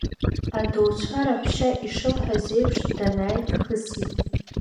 Адауцәа раҳәшьа ишылҳәахьаз еиԥш данааи, дхысит.